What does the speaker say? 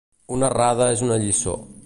Una errada és una lliçó.